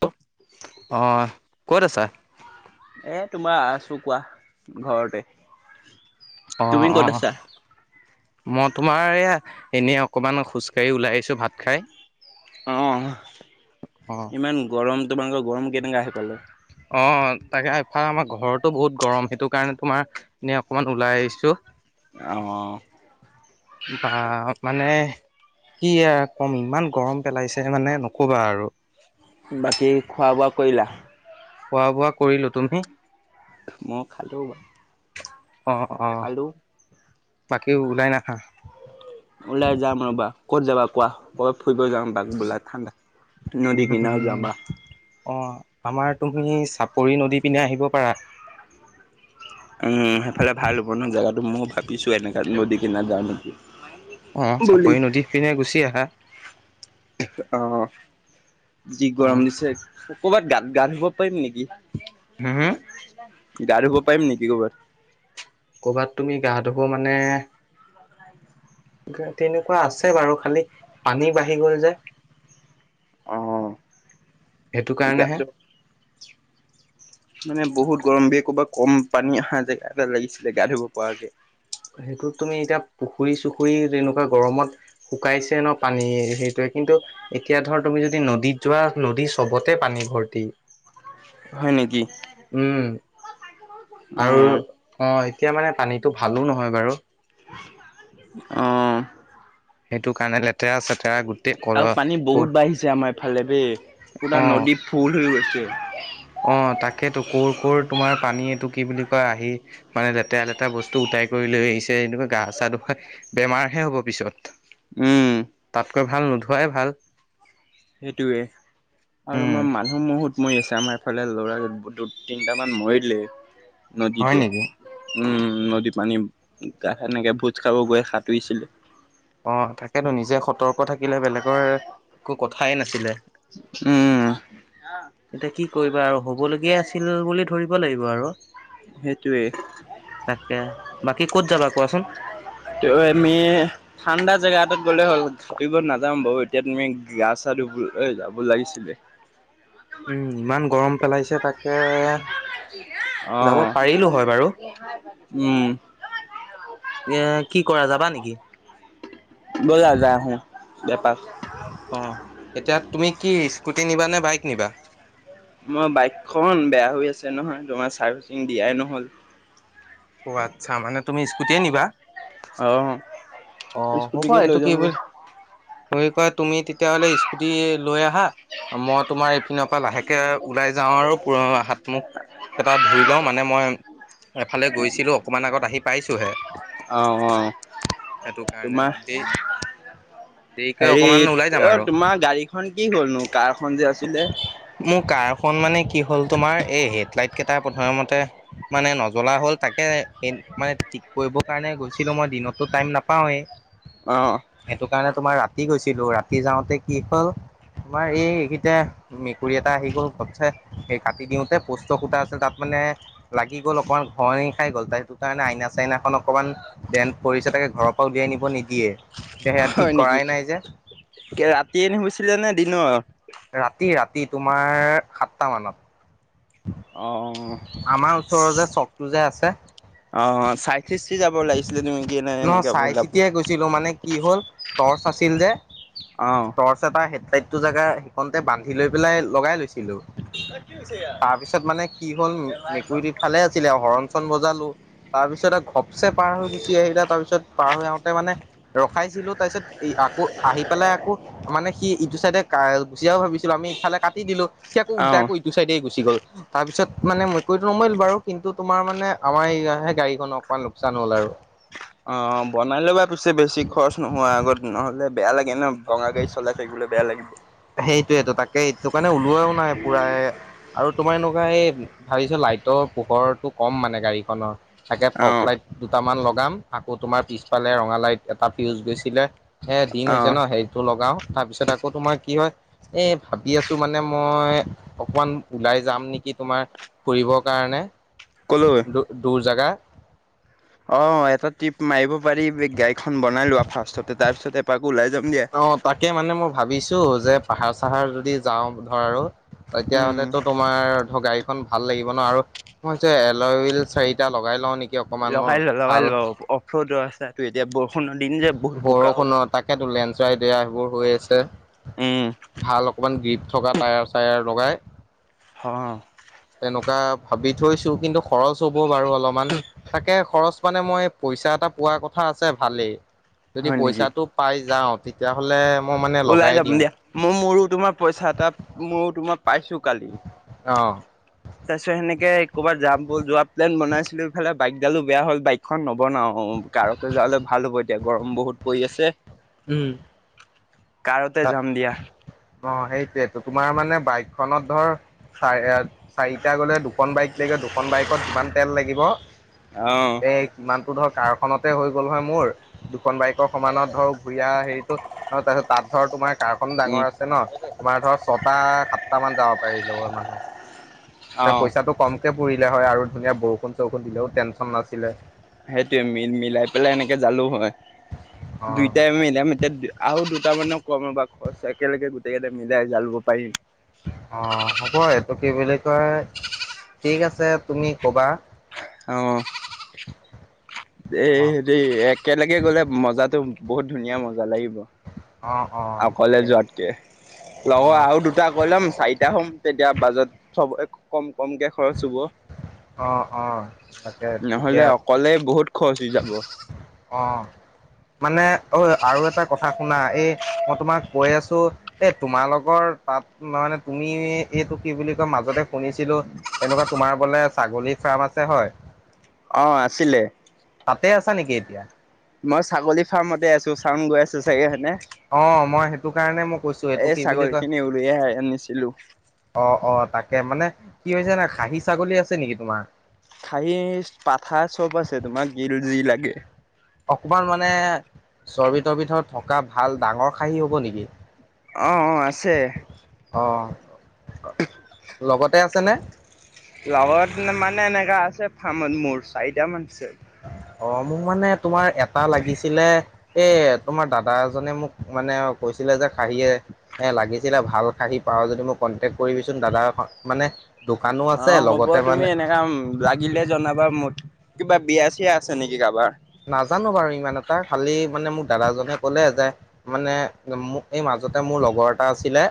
প অঁ অ ক'ত আছা? এ তোমাৰ আছো কোৱা ঘৰতে। তুমি অঁ ক'ত অঁ। আছা? মই তোমাৰ এইয়া এনেই অকমান খোজকাঢ়ি ওলাই আহিছোঁ ভাত খাই। অঁ অ', ইমান গৰম তোমাৰ লোক গৰম কেনেকা সেইফালে? অঁ' তাকে এফালে আমাৰ ঘৰতো বহুত গৰম। সেইটো কাৰণে তোমাৰ- এনেই অকমান ওলাই আহিছো। অঁ' বাহ মানে- কি এ কম ইমান গৰম পেলাইছে, মানে নক'বা আৰু। বাকী খোৱা বোৱা কৰিলা? খোৱা বোৱা কৰিলো। তুমি? মই খালো বা- অঁ অঁ বাকী ওলাই নাখা- ওলাই যাম ৰ'বা, ক'ত যাবা কোৱা? কব ফুৰিব যাম। বাঘবলা ঠাণ্ডা নদী কিনাৰত যাবা। অঁ আমাৰ তুমি চাপৰি নদিপিনে আহিব পাৰা। উম' সেইফালে ভাল হ'ব ন জেগাটো মই ভাবিছোঁ, এনেকা নদী কিনাত যাওঁ নেকি? অঁ, বুলি চাপৰি নদী পিনে গুচি আহা। অঁ' যি গৰম অ', দিছে। কৰ'বাত গাত গা-ধোব পাৰিম নেকি? হু হুম? গা-ধোব পাৰিম নেকি কবাত? ক'ৰবাত তুমি গা ধুব মানে- তে তেনেকুৱা আছে বাৰু খালি পানী বাঢ়ি গ'ল যে। অঁ' সেটো কাৰণেহে। মানে বহুত গৰম বে ক'ৰবাত কম পানী আহা যেগা এটা লাগিছিলে গা ধুব পৰাকে। সেইটোত তুমি এতিয়া পুখুৰী চুখুৰী তেনেকুৱা গৰমত- শুকাইছে ন পানী সেইটোৱে কিন্তু- এতিয়া ধৰ তুমি যদি নদীত যোৱা নদী চবতে পানী ভৰ্তি। হয় নেকি? উম'। আৰু অ', অঁ এতিয়া মানে পানীটো ভালো নহয় বাৰু। অঁ'। সেইটো কাৰণে লেতেৰা আছে আৰু পানী বহুত বাঢ়িছে আমাৰ ইফালে বে, পোৰা অ নদী ফুল হৈ গৈছে। অ', তাকেতো ক'ৰ, ক'ৰ তোমাৰ পানী এইটো কি বুলি কয় আহি মানে লেতেৰা, লেতেৰা বস্তু উটাই কৰি লৈ আহিছে, এনেকুৱা গা চা দোখ বেমাৰহে হ'ব পিছত। উম। তাতকৈ ভাল নোধোৱাই ভাল। সেইটোৱে। আৰু উম আমাৰ মানুহ মহুত মৰি আছে, আমাৰ এইফালে ল'ৰা দু তিনটামান মৰিলেই। হয় নদীতে। নেকি উম, নদী পানী সেনেকে ভোজ খাব গৈ সাঁতুৰিছিলে। অ', তাকেতো নিজে সতৰ্ক থাকিলে বেলেগৰ একো কথাই নাছিলে। উম। এতিয়া কি কৰিবা আৰু হ'ব লগীয়া আছিল বুলি ধৰিব লাগিব আৰু। সেইটোৱে। তাকে, বাকী ক'ত যাবা কোৱাছোন? টো আমি ঠাণ্ডা জেগা এটাত গ'লে হ'ল, সাঁতোৰিব নাযাম বাৰু এতিয়া তুমি গা চা ধুব ঐ যাব লাগিছিলে। উম, ইমান গৰম পেলাইছে তাকে, যাব অ' পাৰিলোঁ হয় বাৰু। [unintelligible] উম। এয়া কি কৰা যাবা নিকি? ব'লা যায় আহোঁ, এপাক। অ', এতিয়া তুমি কি স্কুটি নিবা নে বাইক নিবা? মই বাইকখন বেয়া হৈ আছে নহয়, তোমাৰ চাৰ্ভিচিং দিয়াই নহ'ল। অ', আচ্ছা, মানে তুমি স্কুটিয়ে নিবা? অ' অ', হ'ব স্কুটিকে লৈ এইটো কি যাম গৈ বুল [unintelligible] কয় তুমি তেতিয়া হ'লে স্কুটি লৈ আহা, মই তোমাৰ এইপিনৰ পৰা লাহেকে ওলাই যাওঁ আৰু পোৰা হাত মুখ এটা ধুই লওঁ, মানে মই এফালে গৈছিলোঁ অকমান আগত আহি পাইছোঁ হে। অ', অ', তোমাৰ। দেৰি দেৰিকে হেৰি অকমান ওলাই যাম অ', আৰু তোমাৰ গাড়ীখন কি হ'লনো, কাৰ খন যে আছিলে? মোৰ কাৰখন মানে কি হ'ল তোমাৰ এই হেডলাইট কেইটা প্ৰথমতে মানে নজ্বলা হ'ল তাকে এ মানে ঠিক কৰিবৰ কাৰণে গৈছিলোঁ, মই দিনতটো টাইম নাপাওঁৱেই। অ'। সেইটো কাৰণে তোমাৰ ৰাতি গৈছিলোঁ, ৰাতি যাওঁতে কি হ'ল তোমাৰ এইকিটা মেকুৰী এটা আহি গ'ল ঘপছে, সেই কাটি দিওঁতে, প'ষ্টৰ খুটা আছিল তাত মানে লাগি গ'ল অকমান ঘনি খাই গ'ল, তাৰ সেইটো কাৰণে আইনা চাইনাখন অকমান দেন পৰিছে তাকে ঘৰৰ পৰা উলিয়াই নিব নিদিয়ে। এতিয়া সেয়া ঠিক হয় নেকি, কৰাই নাই যে কি ৰাতি নি হৈছিলে নে দিনত? ৰাতি, ৰাতি তোমাৰ সাতটা মানত। অ', অ'। আমাৰ ওচৰৰ যে চকটো যে আছে। অ', চাইথিছ যাব লাগিছিলে তুমি কি এনেকে ওলাব ছিলো মানে কি হ'ল টৰ্চ আছিল যে, অ টৰ্চ এটা হেডলাইটো জেগা সেইখনতে বান্ধি লৈ পেলাই লগাই লৈছিলোঁ। তাৰপিছত মানে কি হ'ল মেকুৰীটো ফালে, ছিলে হৰণ চন বজালো তাৰ পিছত ঘপচে পাৰ হৈ গুচি আহিলে। তাৰপিছত পাৰ হৈ আহোতে মানে ৰখাইছিলো তাৰ পিছত আকৌ আহি পেলাই আকৌ মানে সি ইটো চাইড, কাজিয়াও হল ভাবিছিলো আমি ইফালে কাটি দিলো সি আকৌ অ উলটা আকৌ ইটো চাইডে গুচি গ'ল। তাৰপিছত মানে মেকুৰীটো নমৰিল বাৰু কিন্তু তোমাৰ মানে আমাৰ ইয়াৰহে গাড়ীখন অকমান লোকচান হ'ল আৰু, অ বনাই ল'বা পিছে বেছি খৰচ নোহোৱা আগত নহ'লে বেয়া লাগে ন। ভঙা গাড়ী চলাই থাকিলে বেয়া লাগিব। সেইটোয়েতো তাকে এইটো কাৰণে ওলোৱাও নাই পুৰাই, আৰু তোমাৰ এনেকুৱা এই ভাবিছো লাইটৰ পোহৰটো কম মানে গাড়ীখনৰ। তাকে অ ফগ লাইট দুটামান লগাম আকৌ তোমাৰ পিছফালে ৰঙা লাইট এটা ফিউজ গৈছিলে, হে দিন অ হৈছে ন সেইটো লগাও তাৰপিছত আকৌ তোমাৰ, কি হয় এই ভাবি আছো মানে মই অকমান ওলাই যাম নেকি তোমাৰ, ফূৰিবৰ কাৰণে, ক'লৈ? দূ দূৰ জেগাত। অ এটা ট্ৰিপ মাৰিব পাৰি বে গাড়ীখন বনাই লোৱা ফাৰ্ষ্টতে তাৰ পিছত এপাক ওলাই যাম দিয়া। অ তাকে মানে মই ভাবিছো যে পাহাৰ চাহাৰ যদি যাওঁ ধৰ আৰু, উম তেতিয়াহ'লে তো তোমাৰ ধৰ গাড়ী খন ভাল লাগিব ন আৰু মই এল'উইল চাৰিটা লগাই লওঁ নেকি, অকমান লগাই ল লগাই ভাল ল অফ ৰ'ড ৰাস্তাটো এতিয়া বৰষুণৰ দিন যে, বহুত বোকা হ'ব বৰষুণ অ তাকেতো লেনচলাইড এয়া সেইবোৰ হৈ আছে। উম ভাল অকমান গ্ৰীপ থকা টায়াৰ চায়াৰ লগাই, হ তেনেকুৱা ভাবি থৈছো কিন্তু খৰচ হ'ব বাৰু অলপমান। তাকে খৰচ মানে মই পইচা এটা পোৱাৰ কথা আছে ভালেই। যদি হয় নেকি পইচাটো পাই যাওঁ তেতিয়াহ'লে মই মানে ওলাই লগাই যাম দিম। দিয়া মই মোৰো তোমাৰ পইচা এটাত মইও তোমাৰ পাইছো কালি। অ তাৰপিছত সেনেকে কৰবাত যাম ব যোৱা প্লেন বনাইছিলো ইফালে বাইকডালো বেয়া হ'ল বাইক। খন নবনাও অ কাৰতে যোৱা হ'লে ভাল হ'ব এতিয়া গৰম বহুত পৰি আছে। উম কাৰতে তা যাম দিয়া। অ সেইটোৱেইটো তোমাৰ মানে বাইকখনত ধৰ। চাৰ চাৰিটা গলে দুখন বাইক লাগে দুখন বাইকত কিমান তেল লাগিব? অ সিমানতো ধৰ কাৰখনতে হৈ গ'ল হয় মোৰ দুখন বাইকৰ সমানত ধৰ, সুইয়া হেৰিতো তাৰপিছত তাত ধৰ তোমাৰ কাৰ খনো উম ডাঙৰ আছে ন। তোমাৰ ধৰ ছটা সাতটা মান যাব পাৰিলো মানুহ এ আহ পইচাটো কম। কে পৰিলে হয় আৰু ধুনীয়া বৰষুণ চৰষুণ দিলেও টেনশ্যন নাছিলে। সেইটোৱে মিল মিলাই পেলাই এনেকে যালো হয় অ দুইটাই মিলাই মি এতিয়া। আহো দুটামানৰ কম ৰ'বা খৰচ একেলগে গোটেইকেইটা মিলাই যাই ল'ব পাৰিম। অ', হ'ব এইটো কি বুলি কয় ঠিক আছে। তুমি কবা। অঁ',। এই, অ সেই একেলগে গ'লে মজাটো বহুত ধুনীয়া মজা লাগিব। অঁ', -অঁ',। অকলে যোৱাতকে, লগৰ অ আৰু দু- টা কৈ ল'ম চাৰিটা হ'ম তেতিয়া বাজেট চব কম খৰচ হ'ব। অ', অ', তাকে ঠিকে নহ'লে অকলে বহুত খৰচ হৈ যাব। অঁ', মানে অ' আৰু এটা কথা শুনা এই- মই তোমাক কৈ আছো- এ' তোমালোকৰ তা'ত মানে এইটো কি বুলি কয় মাজতে শুনিছিলো- এনেকুৱা তোমাৰ বোলে ছাগলী ফাৰ্ম আছে হয়? অ', -আছিলে। তা'তে আছা নেকি এতিয়া? মই ছাগলী ফাৰ্মতে আছো চাউন গৈ আছে চাগে হয় নে। অঁ', -সেইটো কাৰণে মই কৈছো এইটো কি বুলি ছাগলী কয়- অ', খিনি উলিয়াই আনিছিলো। -অ', -তাকে, মানে কি হৈছে না' খাহী ছাগলী আছে নেকি তোমাৰ? খাহী পাঠা চব আছে, তোমাক কি জি লাগে। অকণমান মানে চৰ্বি-তৰবি থকা ভাল ডাঙৰ খাহী হ'ব নেকি? অঁ', -অ' আছে। অ', লগতে আছে নে? লগত মানে এনেকা আছে ফাৰ্মত মোৰ চাৰিটামান আছে। অ', মোক মানে তোমাৰ এটা লাগিছিলে। এ' তোমাৰ দাদা এজনে মোক মানে কৈছিলে যে খাহীয়ে এ' লাগিছিলে, ভাল খাহী পাওঁ যদি মোক কন্টেক কৰিবিচোন। দাদা মানে দোকানো আছে অঁ', -হ'ব লগতে তুমি মানে এনেকা লা- গিলে জনাবা মোক। কিবা বিয়া-চিয়া আছে নেকি কাৰোবাৰ? নাজানো বাৰু ইমান এটা, খালি মানে মোক দাদাজনে ক'লে যে- মানে এই মাজতে মোৰ লগৰ এটা আছিলে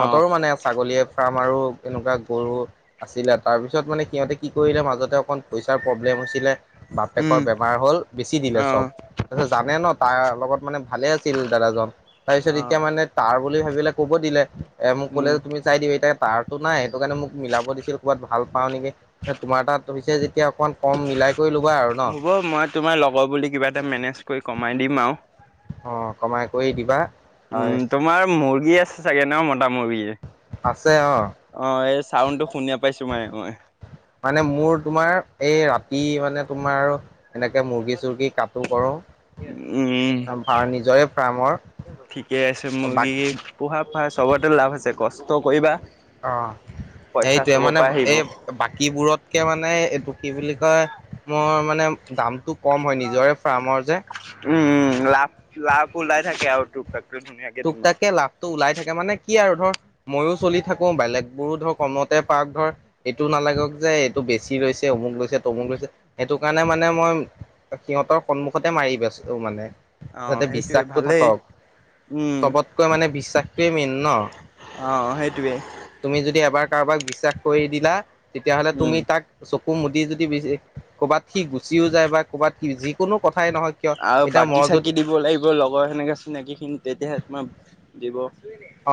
অ মানে ছাগলীয়ে- ফাৰ্ম আৰু এনেকুৱা দুটা গৰু- আছিলে। তাৰপিছত মানে সিহঁতে কি কৰিলে মাজতে অকণমান পইচাৰ প্ৰব্লেম হৈছিলে- বাপেকৰ উম বেমাৰ হ'ল বেছি দিলে অ চব। তাৰপিছত জানে ন' তাৰ লগত মানে ভালে আছিল দাদাজন, তাৰপিছত অ এতিয়া মানে- কাৰ বুলি ভাবিলে কব দিলে এ' মোক ক'লে উম যে তুমি- চাই দিম, এতিয়া তাৰতো নাই সেইটো কাৰণে মোক মিলাব দিছিল কৰ'বাত ভাল পাওঁ নেকি। এতিয়া তোমাৰ তা'ত হৈছে যেতিয়া অকণমান কম মিলাই কৰি ল'বা আৰু ন। হ'ব মই তোমাৰ লগৰ বুলি কিবা এটা মেনেজ কৰি কমাই দিম আৰু। অঁ', কমাই কৰি দিবা উম, হয়। তোমাৰ মুৰ্গী আছে চাগে ন' মতা মুৰ্গী? আছে, অঁ',। অ', এই চাউণ্ডটো শুনি নেপাইছো মই-মই। মানে মোৰ তোমাৰ এই ৰাতি মানে তোমাৰ আৰু এনেকে মুৰ্গী-চুৰ্গী কটো, কৰো। উম, আঁহ', নিজৰে ফাৰ্মৰ। ঠিকে আছে বাক মুৰ্গী, পোহা [unintelligible] চবতে লাভ আছে কষ্ট কৰিবা। অ', পইচা এইটোৱে চবৰ মানে পৰা আহিব। এই- বাকীবোৰতকে মানে এইটো কি বুলি কয়, মই মানে দামটো- কম হয় নিজৰে ফাৰ্মৰ যে। উম'উম উম, লাভ লাভ ওলাই থাকে আৰু টোক টাক - টোক টাক কে লাভটো ওলাই থাকে মানে কি আৰু ধৰ - মইয়ো চলি থাকো বেলেগ বোৰো ধৰ কমতে পাওক ধৰ - এইটো নালাগক যে এইটো বেছি লৈছে অমুক লৈছে তমুক লৈছে, সেইটো কাৰণে মানে মই - সিহঁতৰ সন্মুখতে মাৰিবেচো মানে অ', যাতে সেইটোয়ে বিশ্বাসটো ভালেই থাকক। উম, চবতকৈ মানে বিশ্বাসটোৱেই মেইন ন। অ', সেইটোয়ে তুমি যদি এবাৰ কাৰোবাক বিশ্বাস কৰি দিলা, তেতিয়াহলে উম। তুমি তাক - চকু মুদি যদি বিশ কবাত সি গুচিও যায় বা ক'বাত সি যিকোনো কথাই নহক - আৰু বাকি চাকি দিব লাগিব লগৰ সেনেকে চিনাকি খিনি তেতিয়াহে তোমাৰ দিব।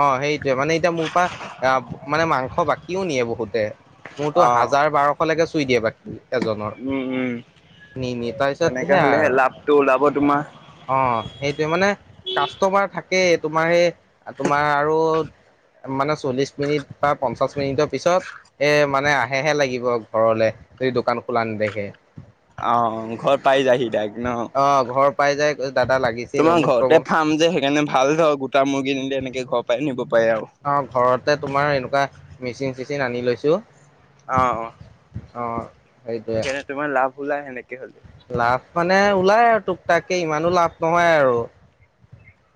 অ সেইটোৱে, মানে এতিয়া মোৰ পা আহ মানে মাংস বাকীও নিয়ে বহুতে। মোৰটো অ', হাজাৰ বাৰশলৈকে চুই দিয়ে বাকী। এজনৰ উম, উম, নি নি, তাৰ পিছত তেনেকে সেয়া হ'লেহে আৰু। লাভটো ওলাব তোমাৰ। অ সেইটোৱে, মানে কাষ্টমাৰ থাকে তোমাৰ সেই তোমাৰ আৰু - মানে চল্লিশ মিনিট বা পঞ্চাশ মিনিটৰ পিছত - এ মানে আহেহে লাগিব ঘৰলে যদি দোকান খোলা নেদেখে। অ ঘৰত পাই যাইহি ডাইৰেক্ট অ ন। ঘৰ পাই যায় দাদা লাগিছিল তোমাৰ অমুক ঘৰতে তমুক ফ্ৰাম যে সেইকাৰণে ভাল ধৰক গো টা মুৰ্গী নিলে এনেকে ঘৰ পাই নিব পাৰে আও। অ ঘৰতে তোমাৰ এনেকুৱা মেচিন চিচিন আনি লৈছো। অ অ। অ। সেইটোয়ে সেইকাৰণে তোমাৰ লাভ ওলাই সেনেকে হ'লো। লাভ মানে ওলাই আৰু টোক টাককে ইমানো লাভ নহয় আৰু।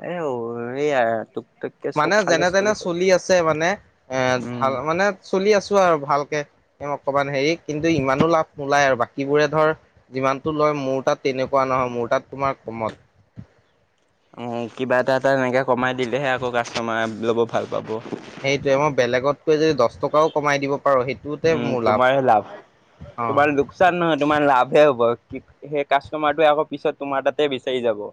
এই ঔ সেইয়াই টোক টাক - মানে যেনে তেনে চলি আছে মানে এ উম। ভাল মানে চলি আছো আৰু ভালকে। তেউ অকমান হেৰি কিন্তু ইমানো লাভ নোলায় আৰু বাকীবোৰে ধৰ - যিমানটো লয় মোৰ তাত তেনেকুৱা নহয় মোৰ তাত তোমাৰ কমত। উম হু কিবা এটা এটা এনেকে কমাই দিলেহে আকৌ কাষ্টমাৰে লব ভাল পাব। সেইটোৱে মই বেলেগতকৈ যদি দহ টকাও কমাই দিব পাৰো সেই - উম, তোমাৰে লাভ, অ তোমাৰ লোক চান নহয়, তোমাৰ লাভ হে হ'ব। কি সেই কাষ্টমাৰটোৱে আকৌ পিছত তোমাৰ তাতে বিচাৰি যাব।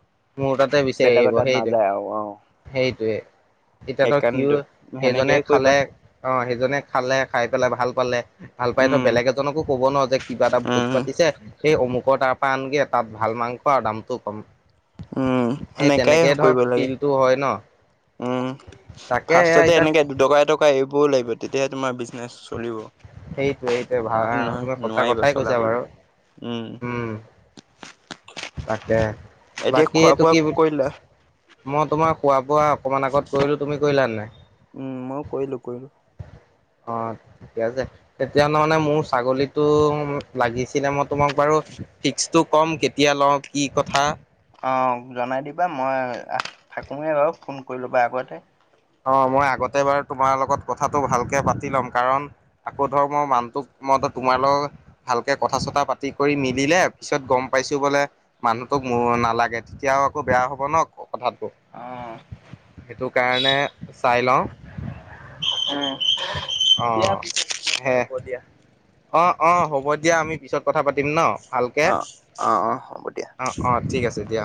মোৰ তাতে বিচাৰি বেলেগৰ আহিব তাত সেইটোৱে, নাযায় আৰু অ', সেইটোৱে। এতিয়াতো সিও সেইকাৰণেতো সেইজনে সেনেকেই কৰিবা খালে অ সেইজনে খালে খাই পেলাই ভাল পালে - ভাল পাই ধৰ উম, বেলেগ এজনকো ক'ব ন, যে কিবা এটা ভোজ উম। পাতিছে সেই অমুক কৰ তাৰ পৰা আনগে তাত ভাল মাংস আৰু দামটোও কম। উম সেই সেনেকাই তেনেকে ধৰ কৰিব লাগে ফিল্ডটো হয় ন। উম, তাকে সেয়া ফাৰ্ষ্টততে এতিয়া এনেকে দুটকা এট কা এৰিবও লাগিব তেতিয়াহে তোমাৰ বিজনেছ চলিব। সেইটোৱে সেইটোৱে ভাল নহয় তুমি নহয় সঁচা নোৱাৰিব কথাই কৈছা চলাবলৈ বাৰু উম। তাকে এতিয়া বাকী খোৱা এইটো বোৱা কি বু কৰিলা মই তোমাৰ খোৱা বোৱা অকমান আগত কৰিলো। তুমি কৰিলা নে নাই? মইয়ো কৰিলোঁ কৰিলোঁ। অ, ঠিকে আছে। তেতিয়া হ'লে মানে মোৰ ছাগলীটো লাগিছিলে মই তোমাক বাৰু ফিক্সটো কম কে তিয়া লওঁ কি কথা। অঁ জনাই দিবা মই থাকোঁৱেই বাৰু ফোন কৰি ল'বা আগতে, অ মই আগতে বাৰু তোমাৰ লগত কথাটো ভালকে পাতি ল'ম কাৰণ, আকৌ ধৰ মই মানুটোক মই ত তোমাৰ লগত, ভালকে কথা চথা পাতি কৰি নিদিলে পিছত গম পাইছো বোলে, মানুহতোক মোৰ নালাগে তেতিয়াও আকৌ বেয়া হব ন কথাটো। উম সেইটো কাৰণে চাই লওঁ। উম অ দিয়া পিছে কি কথা হে হব দিয়া। অ', অ' হ'ব দিয়া আমি পিছত কথা পাতিম ন ভালকে অ অ অ হ'ব দিয়া অ' অ'। ঠিক আছে দিয়া।